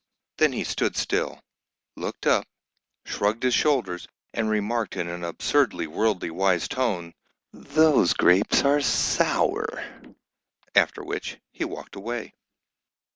Then he stood still, looked up, shrugged his shoulders, and remarked in an absurdly worldly wise tone, "Those grapes are sour!" After which he walked away.